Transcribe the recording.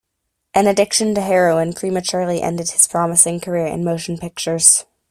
An addiction to heroin prematurely ended his promising career in motion pictures.